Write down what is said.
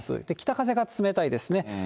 で、北風が冷たいですね。